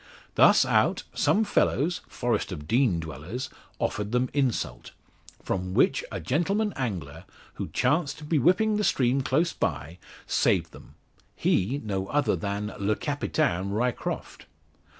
Thus out, some fellows Forest of Dean dwellers offered them insult; from which a gentleman angler, who chanced to be whipping the stream close by, saved them he no other than le Capitaine Ryecroft.